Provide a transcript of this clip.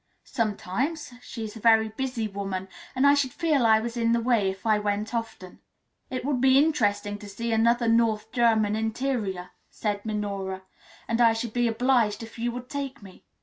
"Sometimes. She is a very busy woman, and I should feel I was in the way if I went often." "It would be interesting to see another North German interior," said Minora; "and I should be obliged if you would take me.